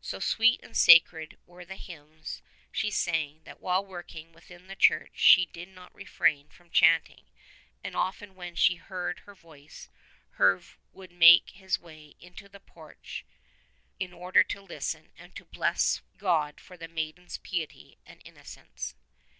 So sweet and sacred were the hymns she sang that while working within the church she did not refrain from chanting, and often when he heard her voice Herve would make his way into the porch in order to listen and to bless God for the maiden's piety and inno cence.